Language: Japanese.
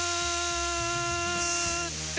って